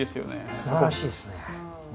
すばらしいですね。